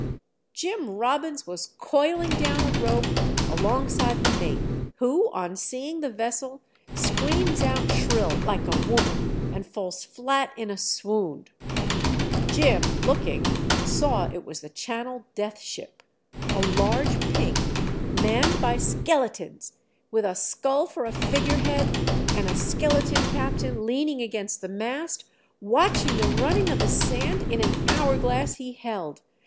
Jim Robbins was coil ing down a rope alongside the mate, who, on seeing the vessel, screams out shrill, like a woman, and falls flat in a swound ; Jim, looking, saw it was the Channel Death Ship, a large pink, manned by skeletons, with a skull for a figure head, and a skeleton captain leaning against the mast, watching the running of the sand in an hour glass he held.